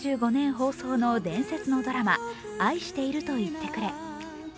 放送の伝説のドラマ、「愛していると言ってくれ」。